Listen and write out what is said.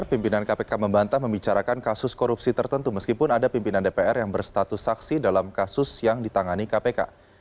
pimpinan kpk membantah membicarakan kasus korupsi tertentu meskipun ada pimpinan dpr yang berstatus saksi dalam kasus yang ditangani kpk